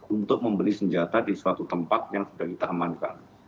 untuk membeli senjata di suatu tempat yang sudah kita amankan